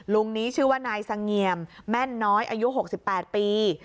ลุงนี้ชื่อว่านายเสงี่ยมแม่นน้อยอายุ๖๘ปี